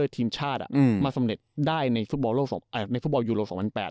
ทีมชาติอ่ะอืมมาสำเร็จได้ในฟุตบอลโลสองอ่าในฟุตบอลยูโรสองพันแปด